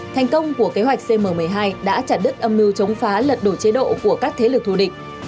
thành công của kế hoạch cm một mươi hai đã chặt đứt âm mưu chống phá lật đổ chế độ của các thế lực thù địch